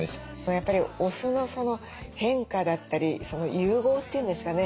やっぱりお酢の変化だったり融合っていうんですかね。